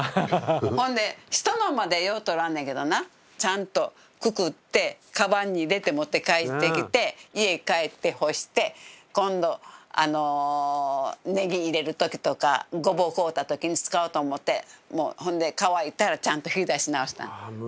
ほんで人のまでよう取らんねんけどなちゃんとくくってかばんに入れて持って帰ってきて家へ帰って干して今度ネギ入れる時とかゴボウ買うた時に使おうと思ってほんで無駄がないな。